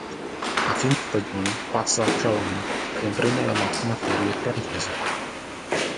A fine stagione passa a Chalon, sempre nella massima serie francese.